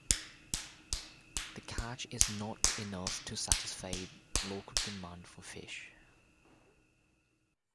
The catch is not enough to satisfy local demand for fish.